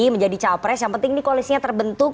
menjadi cawapress yang penting ini koalisinya terbentuk